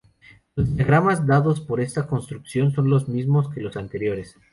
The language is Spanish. Los diagramas dados por esta construcción son los mismos que los anteriores.